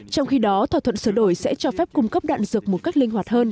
trong khi đó thỏa thuận sửa đổi sẽ cho phép cung cấp đạn dược một cách linh hoạt hơn